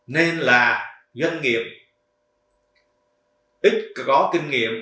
nên là doanh nghiệp ít có kinh nghiệm